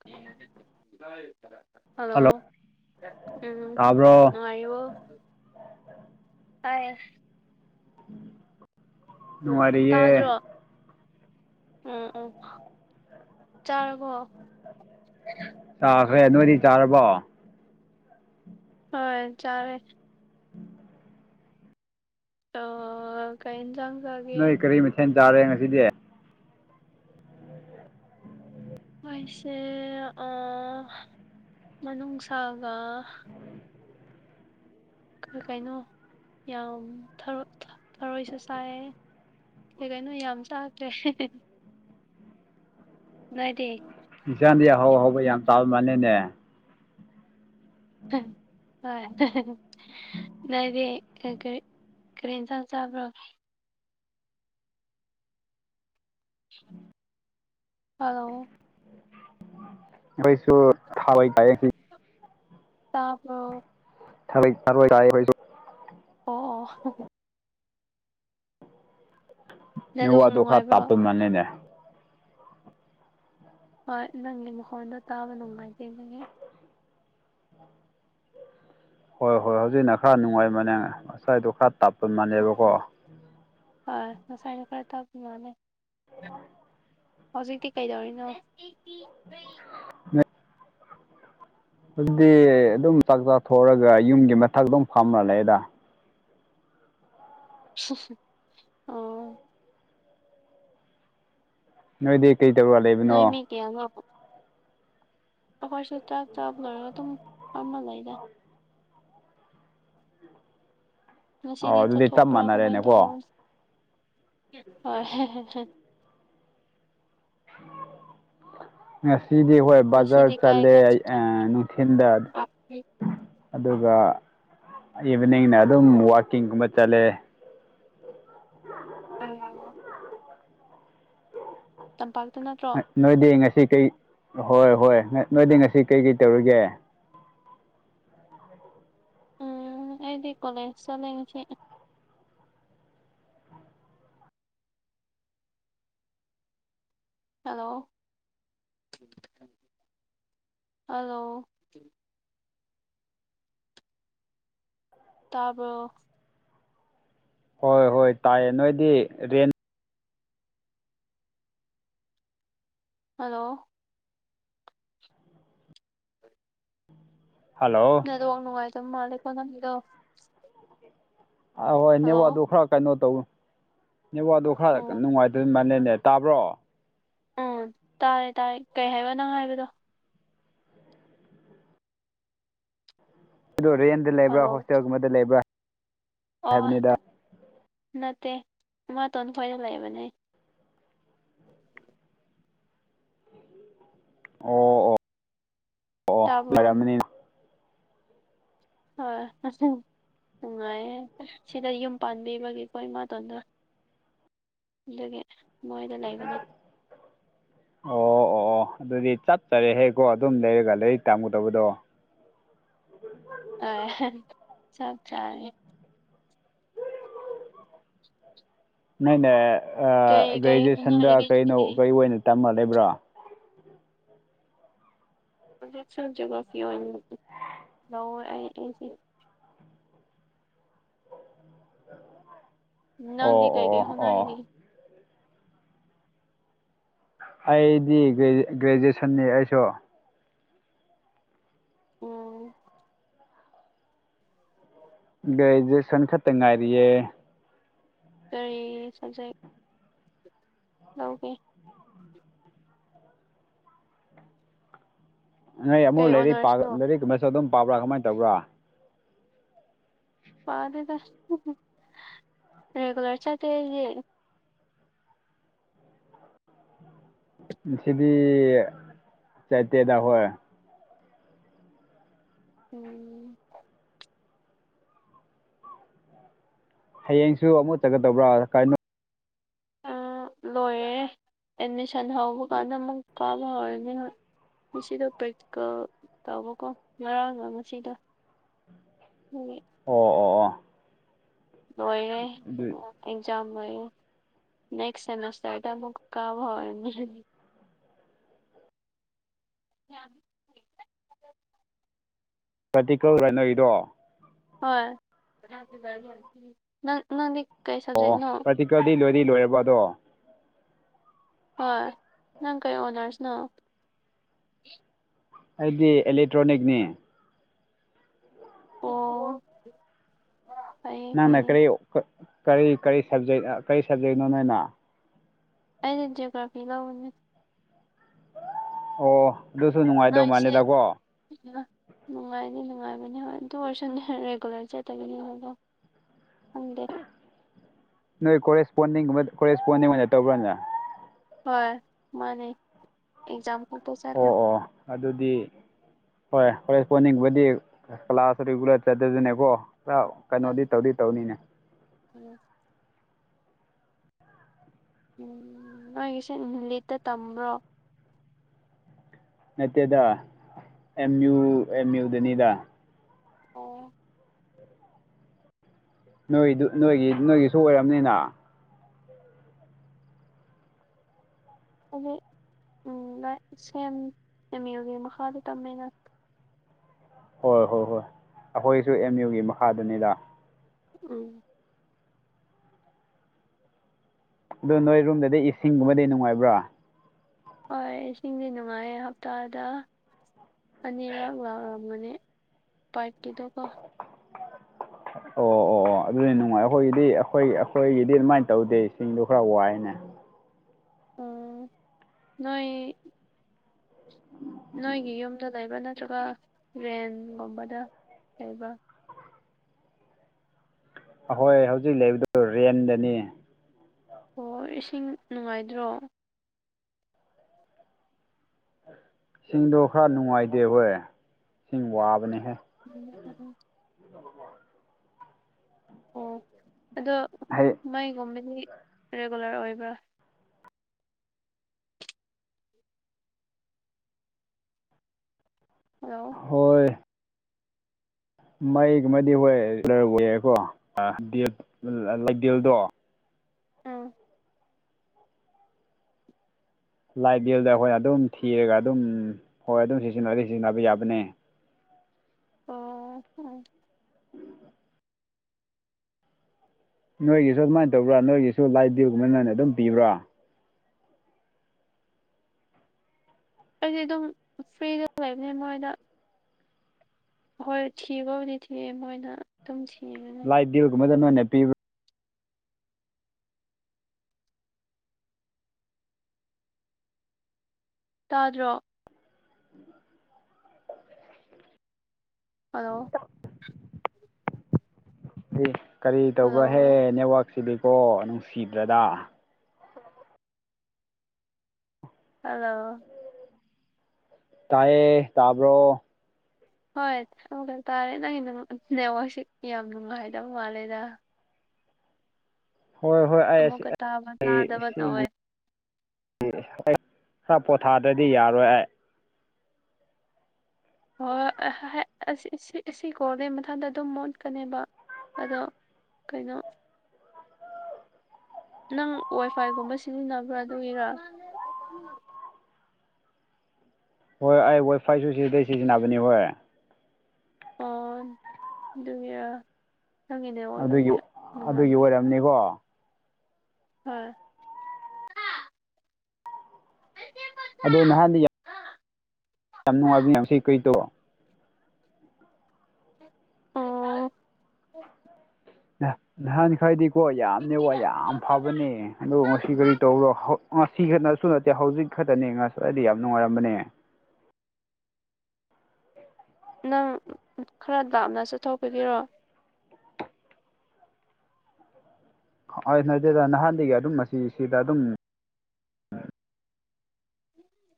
[unintelligible] hello ꯎꯝ ꯇꯥꯕ꯭ꯔꯣ ꯅꯨꯉꯥꯏꯔꯤꯕꯣ ꯇꯥꯏꯌꯦ ꯎꯝ ꯅꯨꯡꯉꯥꯏꯔꯤꯌꯦ ꯇꯥꯗ꯭ꯔꯣ ꯎꯝ ꯎꯝ ꯆꯥꯔꯕꯣ ꯆꯥꯈ꯭ꯔꯦ ꯅꯣꯏꯗꯤ ꯆꯥꯔꯕꯣ ꯍꯣꯏ ꯆꯥꯔꯦ [unintelligible] ꯀꯩ ꯏꯟꯖꯥꯡ ꯆꯥꯒꯦ ꯁꯦꯟ ꯆꯥꯔꯦ ꯉꯁꯤꯗꯤ ꯃꯣꯏꯁꯦ ꯑ ꯃꯅꯨꯡꯁꯥꯒ ꯁꯩ ꯀꯩꯅꯣ ꯌꯥꯝ ꯊꯔꯣꯏꯁꯨ ꯆꯥꯏꯌꯦ ꯀꯩ ꯀꯩꯅꯣ ꯌꯥꯝ ꯆꯥꯈ꯭ꯔꯦ [unintelligible] ꯅꯣꯏꯗꯤ ꯏꯟꯁꯥꯡꯗꯤ ꯑꯍꯥꯎ ꯑꯍꯥꯎꯕ ꯌꯥꯝ ꯇꯥꯕ ꯃꯥꯜꯂꯦꯅꯦ ꯍꯣꯏ [unintelligible] ꯅꯣꯏꯗꯤ ꯀꯩ ꯀꯩ ꯀꯔꯤ ꯏꯟꯁꯥꯡ ꯆꯥꯕ꯭ꯔꯣ ꯍꯜꯂꯣ ꯑꯩꯇꯣꯏꯁꯨ ꯊꯕꯥꯏ ꯆꯥꯏ ꯉꯁꯤ ꯇꯥꯕ꯭ꯔꯣ ꯊꯔꯣꯏ ꯊꯔꯣꯏ ꯆꯥꯏ ꯈꯣꯏꯁꯨ ꯑꯣ ꯑꯣ ꯅꯦꯠꯋꯥꯛ ꯅꯦꯠꯋꯥꯛꯇꯨ ꯈꯔ ꯅꯨꯡꯉꯥꯏꯕ꯭ꯔꯣ ꯇꯥꯞꯄ ꯃꯥꯅꯤꯅꯦ ꯍꯣꯏ ꯅꯪꯒꯤ ꯃꯈꯣꯟꯗꯣ ꯇꯥꯕ ꯅꯨꯡꯉꯥꯏꯇꯦ ꯑꯗꯨꯒꯤ ꯍꯣꯏ ꯍꯣꯏ ꯍꯧꯖꯤꯛꯅ ꯈꯔ ꯅꯨꯡꯉꯥꯏ ꯃꯥꯅꯦ ꯉꯁꯥꯏꯗꯣ ꯈꯔ ꯇꯞꯄ ꯃꯥꯜꯅꯦꯕꯀꯣ ꯍꯣꯏ ꯉꯁꯥꯏꯗꯣ ꯈꯔ ꯇꯞꯄ ꯃꯥꯅꯦ ꯍꯧꯖꯤꯛꯇꯤ ꯀꯩꯗꯧꯔꯤꯅꯣ [unintelligible] ꯑꯗꯨꯗꯤ ꯑꯗꯨꯝ ꯆꯥꯛ ꯆꯥ ꯊꯣꯛꯔꯒ ꯌꯨꯝꯒꯤ ꯃꯊꯛꯇ ꯑꯗꯨꯝ ꯐꯝꯔ ꯂꯩꯗ [unintelligible] ꯑꯣ ꯅꯣꯏꯗꯤ ꯀꯩ ꯇꯧꯔꯒ ꯂꯩꯕꯅꯣ [unintelligible] ꯑꯩꯈꯣꯏꯁꯨ ꯆꯥꯛ ꯆꯥꯕ ꯂꯣꯏꯔꯒ ꯑꯗꯨꯝ ꯐꯃ ꯂꯩꯗ ꯉꯁꯤꯗꯤ ꯑꯣ ꯑꯗꯨꯗꯤ ꯆꯞ ꯆꯠꯊꯣꯛꯄ꯭ꯔꯥ ꯀꯃꯥꯏꯅ ꯃꯥꯟꯅꯔꯦꯅꯦꯀꯣ ꯇꯧꯕ꯭ꯔꯣ ꯍꯣꯏ [unintelligible] ꯉꯁꯤꯗꯤ ꯍꯣꯏ ꯕꯖꯥꯔ ꯉꯁꯤꯗꯤ ꯀꯥꯏ ꯆꯠꯂꯦ ꯀꯥꯏ ꯑꯩ ꯅꯨꯡꯊꯤꯟꯗꯥ ꯆꯠꯊꯣꯛꯄ꯭ꯔꯥ ꯑꯗꯨꯒ ꯏꯚꯤꯅꯤꯡꯅ ꯑꯗꯨꯝ ꯋꯥꯛꯀꯤꯡꯒꯨꯝꯕ ꯆꯠꯂꯦ [unintelligible] [unintelligible] ꯇꯝꯄꯥꯛꯇ ꯅꯠꯇ꯭ꯔꯣ ꯅꯣꯏꯗꯤ ꯉꯁꯤ ꯀꯩ ꯍꯣꯏ ꯍꯣꯏ ꯅꯣꯏꯗꯤ ꯉꯁꯤ ꯀꯩꯀꯩ ꯇꯧꯔꯤꯒꯦ ꯎꯝ ꯑꯩꯗꯤ ꯀꯣꯂꯦꯖ ꯆꯠꯂꯦ ꯉꯁꯤ ꯍꯂꯣ ꯍꯂꯣ ꯇꯥꯕ꯭ꯔꯣ ꯍꯣꯏ ꯍꯣꯏ ꯇꯥꯏꯌꯦ ꯅꯣꯏꯗꯤ ꯔꯦꯟ ꯍꯜꯂꯣ ꯍꯜꯂꯣ ꯅꯗꯣ ꯅꯨꯡꯉꯥꯏꯇꯕ ꯃꯥꯜꯂꯦꯀꯣ ꯅꯪꯗꯣ ꯑ ꯍꯣꯏ ꯍꯜꯂꯣ ꯅꯦꯋꯥ ꯗꯣ ꯈꯔ ꯀꯩꯅꯣ ꯇꯧ ꯅꯦꯋꯥ ꯗꯣ ꯈꯔ ꯎꯝ ꯅꯨꯡꯉꯥꯏꯗꯣꯏ ꯃꯥꯜꯂꯦꯅꯦ ꯇꯥꯕ꯭ꯔꯣ ꯎꯝ ꯇꯥꯔꯦ ꯇꯥꯔꯦ ꯀꯩ ꯍꯥꯏꯕ ꯅꯪ ꯍꯥꯏꯕꯗꯣ ꯑꯗꯨ ꯔꯦꯟꯗ ꯂꯩꯕ꯭ꯔꯥ ꯍꯜꯂꯣ ꯍꯣꯁꯇꯦꯜꯒꯨꯝꯕꯗ ꯂꯩꯕ꯭ꯔꯥ ꯑꯣ ꯍꯥꯏꯕꯅꯤꯗ ꯅꯠꯇꯦ ꯏꯃꯥꯇꯣꯟ ꯈꯣꯏꯗ ꯂꯩꯕꯅꯦ ꯎꯝ ꯑꯣ ꯑꯣ ꯑꯣ ꯑꯣ ꯇꯥꯕ꯭ꯔꯣ ꯂꯩꯔꯝꯅꯤ ꯍ ꯑꯁꯤꯁ ꯅꯨꯡꯉꯥꯏꯌꯦ ꯁꯤꯗ ꯌꯨꯝ ꯄꯥꯟꯕꯤꯕꯒꯤꯀꯣ ꯏꯃꯥꯇꯣꯟꯗ ꯗꯨꯒꯤ ꯎ ꯑꯣ ꯑꯣ ꯑꯣ ꯑꯗꯨꯗꯤ ꯆꯠꯇꯔꯦꯍꯦꯀꯣ ꯑꯗꯨꯝ ꯂꯩꯔꯒ ꯂꯩꯔꯤꯛ ꯇꯝꯒꯨꯗꯕꯗꯣ ꯎꯝ ꯑ ꯆ ꯆꯔꯦ ꯅꯪꯅꯦ ꯀꯩ ꯀꯩ ꯒ꯭ꯔꯦꯖꯨꯑꯦꯁꯟꯗ ꯍꯣꯠꯅꯔꯤꯒꯦ ꯀꯩꯅꯣ ꯅꯪꯗꯤ ꯀꯔꯤ ꯑꯣꯏꯅ ꯇꯝꯃ ꯂꯩꯕ꯭ꯔꯣ ꯖꯣꯒꯐꯤ ꯂꯧꯋꯦ ꯑꯩ ꯅꯪꯗꯤ ꯑꯣ ꯀꯩ ꯑꯣ ꯑꯣ ꯀꯩ ꯑꯣ ꯍꯣꯠꯅꯔꯤꯒꯦ ꯑꯩꯗꯤ ꯒ꯭ꯔꯦꯖꯨꯌꯦꯁꯟꯅꯤ ꯑꯩꯁꯨ ꯎꯝ ꯭ꯒꯔꯦꯖꯨ꯭ꯌꯦꯁꯟ ꯈꯛꯇꯪ ꯉꯥꯏꯔꯤꯌꯦ ꯀꯔꯤ ꯁꯕꯖꯦꯛ ꯂꯧꯒꯦ ꯅꯣꯏ ꯀꯩ ꯑꯃꯨꯛꯛ ꯂꯔꯤꯛ ꯄ ꯑꯣꯅꯔꯁꯅꯣ ꯂꯔꯤꯛꯒꯨꯝꯕꯁꯨ ꯑꯗꯨꯝ ꯄꯥꯕ꯭ꯔꯥ ꯀꯃꯥꯏꯅ ꯇꯧꯕ꯭ꯔꯥ ꯄꯥꯗꯦꯗ ꯔꯦꯒꯨꯂꯔ ꯆꯠꯇꯦ ꯑꯩꯗꯤ ꯁꯤꯗꯤ ꯆꯥꯇꯦꯗ ꯍꯣꯏ ꯎꯝ ꯍꯌꯦꯡꯁꯨ ꯑꯃꯨꯛ ꯆꯠꯀꯗꯕ꯭ꯔꯥ ꯀꯅꯣ ꯂꯣꯏꯔꯦ ꯑꯦꯠꯃꯤꯁꯟ ꯍꯧꯕ ꯀꯥꯟꯗ ꯑꯃꯨꯛ ꯀꯥꯕ ꯍꯧꯔꯅꯤ ꯍ ꯉꯁꯤꯗꯣ ꯄ꯭ꯔꯦꯛꯇꯤꯀꯦꯜ ꯇꯧꯕꯀꯣ ꯉꯔꯥꯡꯅ ꯉꯁꯤꯗ ꯍꯝ ꯑꯣ ꯑꯣ ꯑꯣ ꯂꯣꯏꯔꯦ ꯑꯗꯨ ꯑꯦꯛꯖꯥꯝ ꯂꯣꯏꯔꯦ ꯅꯦꯛꯁ ꯁꯦꯃꯤꯁꯇꯔꯗ ꯑꯃꯨꯛ ꯀꯥꯕ ꯍꯧꯔꯅꯤ ꯌꯥ ꯄ꯭ꯔꯦꯇꯤꯀꯦꯜ ꯂꯣꯏꯔꯤꯗꯣ ꯍꯣꯏ ꯅꯅꯪꯗꯤ ꯀꯩ ꯁꯕꯖꯦꯛ ꯅꯣ ꯇꯤꯛꯀꯔꯗꯤ ꯂꯣꯏꯗꯤ ꯂꯣꯏꯔꯕ ꯑꯗꯣ ꯍꯣꯏ ꯅꯪ ꯀꯩ ꯑꯣꯅꯔꯁꯅꯣ ꯑꯩꯗꯤ ꯑꯦꯂꯦꯛꯇ꯭ꯔꯣꯅꯤꯛꯅꯤ ꯑꯣ ꯑꯩꯩ ꯅꯪꯅ ꯀꯔꯤ ꯀꯔꯤ ꯀꯔꯤ ꯁꯕꯖꯦꯛ ꯀꯔꯤ ꯁꯕꯖꯦꯛꯅꯣ ꯅꯣꯏꯅꯣ ꯑꯩꯅ ꯖꯤꯑꯣꯒ꯭ꯔꯥꯐꯤ ꯂꯧꯏꯅꯦ ꯑꯣ ꯑꯗꯨꯁꯨ ꯅꯨꯡꯉꯥꯏꯗꯧ ꯃꯥꯜꯂꯦꯗꯀꯣ ꯅꯨꯡꯉꯥꯏꯅꯤ ꯅꯨꯡꯉꯥꯏꯕꯅꯤ ꯍꯣꯏ ꯑꯗꯨ ꯑꯣꯏꯔꯁꯨꯅꯦ ꯔꯦꯒꯨꯂꯔ ꯆꯠꯇꯕꯅꯤ ꯍꯥꯏꯗꯣ ꯈꯪꯗꯦ ꯅꯣꯏ ꯀꯣꯔꯦꯁꯄꯣꯟꯗꯤꯡꯒꯨꯝꯕ ꯀꯣꯔꯦꯁꯄꯣꯟꯗꯤꯡ ꯑꯣꯏꯅ ꯇꯧꯕ꯭ꯔꯅ ꯍꯣꯏ ꯃꯥꯅꯦ ꯑꯦꯛꯖꯥꯝ ꯈꯛꯇ ꯆꯂꯦ ꯑꯣ ꯑꯣ ꯑꯗꯨꯗꯤ ꯍꯣꯏ ꯍꯣꯔꯦꯁꯄꯣꯟꯅꯤꯡꯕꯨꯗꯤ ꯀ꯭ꯂꯥꯁ ꯔꯤꯒꯨꯂꯔ ꯆꯠꯇꯗꯅꯦꯀꯣ ꯂꯥꯎ ꯀꯩꯅꯣꯗꯤ ꯇꯧꯗꯤ ꯇꯧꯅꯤꯅꯦ ꯎꯝ ꯎꯝ ꯅꯣꯏꯒꯤꯁꯦ ꯅꯨ ꯂꯤꯠꯇ ꯇꯝꯕ꯭ꯔꯣ ꯅꯠꯇꯦꯗ ꯑꯦꯝ ꯌꯨ ꯑꯦꯝ ꯌꯨꯗꯅꯤꯗ ꯑꯣ ꯅꯣꯏꯗꯨ ꯅꯣꯏꯒꯤ ꯅꯣꯏꯒꯤꯁꯨ ꯑꯣꯏꯔꯝꯅꯤꯅ ꯑꯗꯨꯗꯤ ꯎꯝ ꯁꯦꯝ ꯑꯦꯝ ꯌꯨꯒꯤ ꯃꯈꯥꯗ ꯇꯝꯃꯦꯅ ꯍꯣꯏ ꯍꯣꯏ ꯍꯣꯏ ꯑꯩꯈꯣꯏꯁꯨ ꯑꯦꯝ ꯌꯨꯒꯤ ꯃꯈꯥꯗꯨꯅꯤꯗ ꯎꯝ ꯑꯗꯨꯗꯣ ꯅꯣꯏ ꯔꯨꯝꯗꯗꯤ ꯏꯁꯤꯡꯒꯨꯝꯕꯗꯤ ꯅꯨꯡꯉꯥꯏꯕ꯭ꯔꯥ ꯍꯣꯏ ꯏꯁꯤꯡꯁꯦ ꯅꯨꯡꯉꯥꯏꯌꯦ ꯍꯞꯇꯥꯗ ꯑꯅꯤꯔꯛ ꯂꯥꯛꯂꯝꯒꯅꯤ ꯄꯥꯏꯞꯀꯤꯗꯣ ꯀꯣ ꯑꯣ ꯑꯣ ꯑꯣ ꯑꯗꯨꯗꯤ ꯅꯨꯡꯉꯥꯏ ꯑꯩꯈꯣꯏꯒꯤꯗꯤ ꯑꯩꯈꯣꯏ ꯑꯩꯈꯣꯏꯒꯤꯗꯤ ꯑꯗꯨꯃꯥꯏꯅ ꯇꯧꯗꯦ ꯁꯤꯡꯗꯣ ꯈꯔ ꯋꯥꯏꯅꯦ ꯑꯣ ꯅꯣꯏ ꯅꯣꯏꯒꯤ ꯌꯨꯝ ꯗ ꯂꯩꯕ ꯅꯠꯇ꯭ꯔꯒ ꯔꯦꯟꯒꯨꯝꯕꯗ ꯂꯩꯕ ꯑꯍꯣꯏ ꯍꯧꯖꯤꯛ ꯂꯩꯕꯗꯨ ꯔꯦꯟꯗꯅꯤ ꯑꯣ ꯏꯁꯤꯡ ꯅꯨꯡꯉꯥꯏꯗ꯭ꯔꯣ ꯏꯁꯤꯡꯗꯣ ꯈꯔ ꯅꯨꯡꯉꯥꯏꯇꯦ ꯍꯣꯏ ꯏꯁꯤꯡ ꯋꯥꯕꯅꯦꯍꯦ [unintelligible] ꯑꯣ ꯑꯗꯣ [unintelligible] ꯃꯥꯏꯒꯨꯝꯕꯗꯤ ꯔꯤꯒꯨꯂꯔ ꯑꯣꯏꯕ꯭ꯔꯥ ꯍꯜꯂꯣ ꯍꯣꯏ ꯃꯩꯒꯨꯝꯃꯗꯤ ꯍꯣꯏ ꯂꯩꯔ ꯌꯥꯏꯀꯣ ꯂꯩꯗꯦꯜꯗꯣ ꯑꯥ ꯂꯥꯏ ꯕꯕꯤꯦꯜꯗ ꯑꯩꯈꯣꯏꯅ ꯑꯗꯨꯝ ꯊꯤꯔꯒ ꯑꯗꯨꯝ ꯍꯣꯏ ꯑꯗꯨꯝ ꯁꯤꯖꯤꯟꯅꯗꯤ ꯁꯤꯖꯤꯟꯅꯕ ꯌꯥꯕꯅꯦ ꯑꯣ ꯎ ꯅꯣꯏꯒꯤꯁꯨ ꯑꯗꯨꯃꯥꯏꯅ ꯇꯧꯕ꯭ꯔꯥ ꯅꯣꯏꯒꯤꯁꯨ ꯂꯥꯏ ꯗꯗꯤꯕ ꯀꯃꯥꯏꯅ ꯑꯗꯨꯝ ꯄꯤꯕ꯭ꯔꯥ ꯑꯩꯗꯤ ꯑꯗꯨꯝ ꯐ꯭ꯔꯤꯗ ꯂꯩꯕꯅꯦ ꯃꯣꯏꯗ ꯍꯣꯏ ꯊꯤꯕꯕꯨꯗꯤ ꯊꯤꯑ ꯃꯣꯏꯅ ꯑꯗꯨꯝ ꯊꯦꯡꯉꯅꯤ ꯗꯤꯕ ꯑꯗꯨꯅꯦ ꯄꯤ ꯇꯥꯗ꯭ꯔꯣ ꯍꯜꯂꯣ ꯑꯦ ꯀꯔꯤ ꯍꯜꯂꯣ ꯇꯧꯕ꯭ꯔꯍꯦ ꯅꯦꯠꯋꯥꯛꯁꯤꯕꯤꯀꯣ ꯅꯨꯡꯁꯤꯕ꯭ꯔꯗ ꯍꯂꯣ ꯇꯌꯦ ꯇꯕꯣ ꯍꯣꯏ ꯊ ꯇꯥꯔꯦ ꯅꯪ ꯅꯦꯋꯥꯛꯁꯤ ꯌꯥꯝ ꯅꯨꯡꯉꯥꯏꯗꯕ ꯃꯥꯜꯂꯦꯗ ꯍꯣꯏ ꯍꯣꯏ ꯑꯩ ꯑꯃꯨꯛꯀ ꯇꯥꯕ ꯑꯩ ꯇꯥꯗꯕ ꯁꯤꯒꯤ ꯇꯧꯋꯦ ꯑꯩ ꯈꯔ ꯄꯣꯊꯥꯗ꯭ꯔꯗꯤ ꯌꯥꯔꯣꯏ ꯑꯩ ꯍꯣꯏ ꯍꯣꯏ ꯑꯁꯤ ꯀꯣꯗꯩ ꯃꯊꯟꯗ ꯑꯗꯨꯝ ꯃꯣꯠꯀꯅꯦꯕ ꯑꯗꯣ ꯀꯩꯅꯣ ꯅꯪ ꯋꯥꯏ ꯐꯥꯏꯒꯨꯝꯕ ꯁꯤꯖꯤꯟꯅꯕ꯭ꯔꯥ ꯑꯗꯨꯒꯤꯔꯥ ꯍꯣꯏ ꯑꯩ ꯋꯥꯏꯐꯥꯏꯁꯨ ꯁꯤꯗꯩ ꯁꯤꯖꯤꯟꯅꯕꯅꯤ ꯍꯣꯏ ꯑꯣ ꯑꯗꯨꯒꯤꯔ ꯅꯪꯉꯤꯅꯦ ꯑꯣ ꯑꯗꯨꯒꯤ ꯅꯨꯡꯉꯥꯏꯖꯦ ꯅꯤꯀꯣ ꯍꯣꯏ ꯑꯗꯨꯗ ꯅꯍꯥꯟ ꯑꯥ ꯌꯥꯝ ꯅꯨꯡꯉꯥꯏꯕ ꯌꯥꯝꯌꯥꯝ ꯁꯤ ꯀꯩꯗꯣ ꯑꯣ ꯅꯍꯥꯟ ꯈꯥꯏꯗꯤꯀꯣ ꯌꯥꯝꯅꯦ ꯋꯥ ꯌꯥꯝ ꯐꯕꯅꯦ ꯑꯗꯨ ꯉꯁꯤ ꯀꯔꯤ ꯇꯧꯕꯔꯣ ꯉꯁꯤ ꯈꯛꯇꯅꯁꯨ ꯅꯠꯇꯦ ꯍꯧꯖꯤꯛ ꯈꯛꯇꯅꯦꯁꯤ ꯍꯣꯏ ꯑꯩꯗꯤ ꯌꯥꯝ ꯅꯨꯡꯉꯥꯏꯔꯝꯕꯅꯦ ꯅꯪ ꯈꯔ ꯥꯞꯅ ꯆꯠꯊꯣꯛꯄꯤꯒꯤꯔꯣ ꯍꯣꯏ ꯅ ꯑꯗꯨꯦꯗ ꯅꯍꯥꯟꯗꯒꯤ ꯑꯗꯨꯝ ꯑꯁꯤ ꯁꯤꯗ ꯑꯗꯨꯝ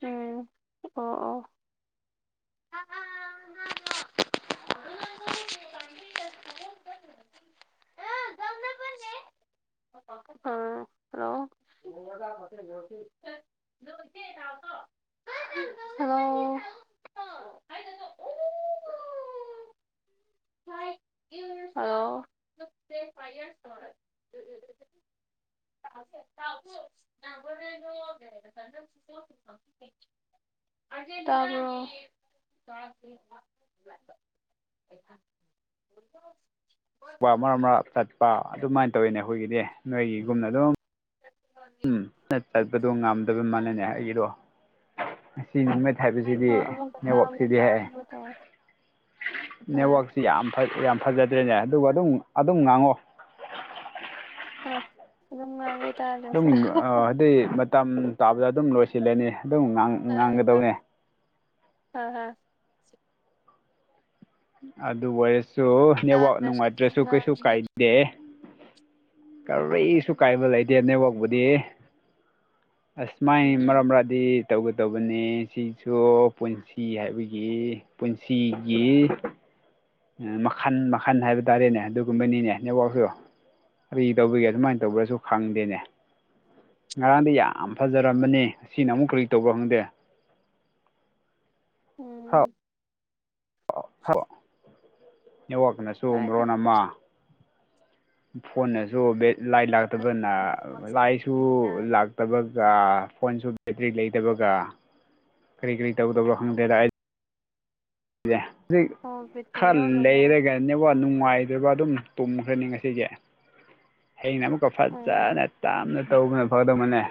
ꯎꯝ ꯑꯣ ꯑꯣ ꯑꯝ ꯍꯂꯣ [unintelligible] ꯍꯂꯣ ꯍꯂꯣ ꯁꯦ ꯐꯥꯏꯌꯔ ꯇꯔꯦ ꯎꯝ ꯎꯝ ꯇꯁꯨ ꯌꯥꯕꯅ [unintelligible] ꯇ ꯃꯔꯛ ꯃꯔꯛ ꯆꯠꯄ ꯑꯗꯨꯃꯥꯏꯅ ꯇꯧꯋꯤꯅꯦ ꯑꯩꯈꯣꯏꯒꯤꯗꯤ ꯅꯣꯏꯒꯤꯒꯨꯝꯅ ꯑꯗꯨꯝ ꯎꯝ ꯆꯠꯄꯗꯣ ꯉꯝꯗꯕꯩ ꯃꯥꯜꯅꯅꯦ ꯑꯩꯒꯤꯗꯣ ꯉꯁꯤ ꯍꯥꯏꯕꯁꯤꯗꯤ ꯍꯣꯏ ꯑꯃꯨꯛꯀ ꯇꯥꯕ ꯅꯦꯠꯋꯥꯛꯁꯤꯗꯤ ꯍꯥꯏ ꯇꯥꯗꯕ ꯇꯧꯋꯦ ꯍꯣꯏ ꯅꯦꯠꯋꯥꯛ ꯁꯤ ꯌꯥꯝ ꯌꯥꯝ ꯐꯖꯗ꯭ꯔꯦꯅꯦ ꯑꯗꯨꯒ ꯑꯗꯨꯝ ꯑꯗꯨꯝ ꯉꯥꯡꯉꯣ ꯍ ꯑꯗꯨꯝ ꯇꯥꯗ꯭ꯔꯁꯨ ꯑꯗꯨꯝ ꯑ ꯑꯗꯨꯗꯤ ꯃꯇꯝ ꯇꯥꯕꯗ ꯑꯗꯨꯝ ꯂꯣꯏꯁꯤꯜꯂꯅꯤ ꯑꯗꯨꯝ ꯉꯥꯡꯉ ꯑ ꯑ ꯍ ꯑꯗꯨ ꯑꯣꯏꯔꯁꯨ ꯅꯦꯠꯋꯥꯛ ꯑꯗꯨꯝ ꯅꯨꯡꯉꯥꯏꯇ꯭ꯔꯁꯨ ꯀꯩꯁꯨ ꯉꯥꯡꯒꯦ ꯀꯥꯏꯗꯦ ꯀꯔꯤꯁꯨ ꯀꯥꯏꯕ ꯂꯩꯇꯦ ꯅꯦꯠꯋꯥꯛꯄꯨꯗꯤ ꯑꯁꯃꯥꯏ ꯎꯝ ꯎꯝ ꯃꯔꯝ ꯔꯥꯗꯤꯞ ꯇꯧꯒꯗꯧꯕꯅꯤ ꯁꯤꯁꯨ ꯄꯨꯟꯁꯤ ꯍꯥꯏꯕꯒꯤ ꯄꯨꯟꯁꯤꯒꯤ ꯃꯈꯜ ꯃꯈꯟ ꯍꯥꯏꯕ ꯇꯥꯔꯦꯅꯦ ꯑꯗꯨꯒꯨꯝꯕꯅꯤꯅꯦ ꯅꯦꯠꯋꯥꯛꯁꯨꯣ ꯀ ꯇꯧꯕꯤꯒꯦ ꯁꯃꯥꯏꯅ ꯇꯧꯕ꯭ꯔꯁꯨ ꯈꯪꯗꯦꯅꯦ ꯉꯔꯥꯡꯗꯤ ꯌꯥꯝ ꯐꯖꯔꯝꯕꯅꯤ ꯑꯁꯤꯅ ꯑꯃꯨꯛ ꯀꯔꯤ ꯇꯧꯕ ꯈꯪꯗꯦ ꯎꯝ [unintelligible] ꯅꯦꯠꯋꯥꯛꯅꯁꯨ ꯍꯣꯏ ꯃꯔꯣꯟ ꯑꯃ ꯐꯣꯟꯅꯁꯨ ꯂꯥꯏ ꯂꯥꯛꯇꯕꯅ ꯂꯥꯏꯁꯨ ꯇꯕꯒ ꯐꯣꯟꯁꯨ ꯕꯦꯇ꯭ꯔꯤ ꯂꯩꯇꯕꯒ ꯀꯔꯤ ꯀꯔꯤ ꯇꯧꯗꯕ ꯈꯪꯗꯦꯗ ꯑꯣ ꯕꯦꯇ꯭ꯔꯤ ꯈꯔ ꯌꯥꯎꯗꯕ꯭ꯔꯣ ꯂꯩꯔꯒ ꯕ ꯅꯨꯡꯉꯥꯏꯇ꯭ꯔꯕ ꯑꯗꯨꯝ ꯇꯨꯝꯈ꯭ꯔꯅꯤ ꯉꯁꯤꯁꯦ ꯍꯌꯦꯩꯅ ꯑꯃꯨꯛꯀ ꯐꯖꯅ ꯎꯝ ꯇꯥꯞꯅ ꯇꯧꯕꯅ ꯐꯒꯗꯕꯅꯦ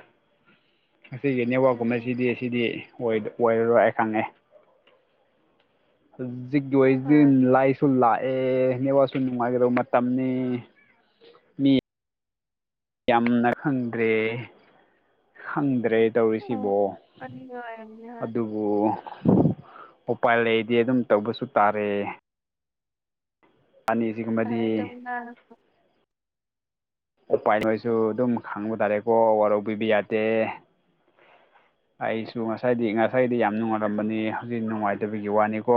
ꯑꯁꯤꯒꯤ ꯎꯝ ꯎꯝ ꯅꯦꯠꯋꯥꯛꯀꯨꯝꯕꯁꯤꯗꯤ ꯑꯁꯤꯗꯤ ꯑꯣꯏꯔꯔꯣꯏ ꯑꯩ ꯈꯪꯉꯦ ꯍꯧꯖꯤꯛꯀꯤ ꯑꯣꯏꯁꯤꯗꯤ ꯍꯣꯏ ꯂꯥꯏꯁꯨ ꯂꯥꯛꯑꯦ ꯅꯦꯋꯥꯁꯨ ꯅꯨꯡꯉꯥꯏꯒꯗꯕ ꯃꯇꯝꯅꯤ ꯃꯤ ꯌꯥꯝꯅ ꯈꯪꯗ꯭ꯔꯦ ꯈꯪꯗ꯭ꯔꯦ ꯇꯧꯔꯤꯁꯤꯕꯣ ꯎꯝ ꯑꯅꯤꯒ ꯑꯣꯏꯔꯝꯅꯤ ꯍꯣꯏ ꯑꯗꯨ ꯑꯗꯨ ꯎꯄꯥꯏꯜ ꯂꯩꯗꯤ ꯑꯗꯨꯝ ꯇꯧꯕꯁꯨ ꯇꯥꯔꯦ ꯑꯅꯤꯁꯤ ꯍꯥꯏꯗꯅ ꯎꯄꯥꯏꯈꯣꯏꯁꯨ ꯎꯝ ꯑꯗꯨꯝ ꯈꯪꯕ ꯇꯥꯔꯦꯀꯣ ꯋꯥꯔꯧꯕꯤꯕ ꯌꯥꯗꯦ ꯑꯩꯁꯨ ꯉꯁꯥꯏꯗꯤ ꯉꯁꯥꯏꯗꯤ ꯌꯥꯝ ꯅꯨꯡꯉꯥꯏꯔꯝꯕꯅꯤ ꯍꯧꯖꯤꯛ ꯅꯨꯡꯉꯥꯏꯇꯕꯒꯤ ꯋꯥꯅꯤꯀꯣ